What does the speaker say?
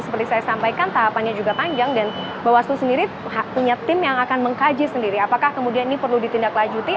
karena tadi seperti saya sampaikan tahapannya juga panjang dan bawaslu sendiri punya tim yang akan mengkaji sendiri apakah kemudian ini perlu ditindaklanjuti